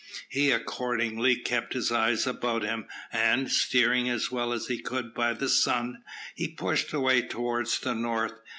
He accordingly kept his eyes about him, and, steering as well as he could by the sun, he pushed away towards the north.